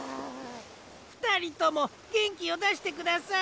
ふたりともげんきをだしてください。